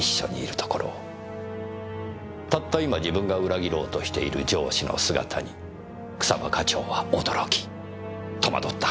たった今自分が裏切ろうとしている上司の姿に草葉課長は驚き戸惑ったはずです。